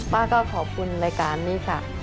ป้าก็ขอบคุณรายการนี้ค่ะ